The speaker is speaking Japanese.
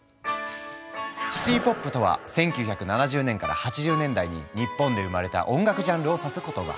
シティ・ポップとは１９７０年から８０年代に日本で生まれた音楽ジャンルを指す言葉。